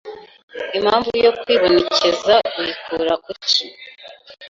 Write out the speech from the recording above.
Impamvu yo kwibonekeza uyikura kuki,